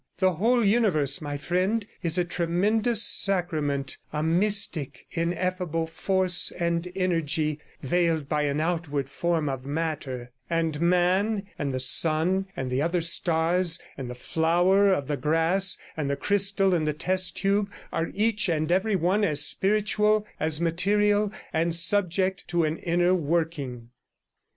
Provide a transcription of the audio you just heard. The whole universe, my friend, is a tremendous sacrament; a mystic, ineffable force and energy, veiled by an outward form of matter; and man, and the sun and the other stars, and the flower of the grass, and the crystal in the test tube, are each and every one as spiritual, as material, and subject to an inner working.